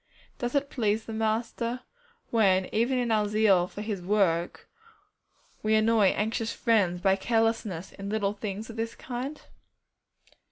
Does it please the Master when even in our zeal for His work we annoy anxious friends by carelessness in little things of this kind?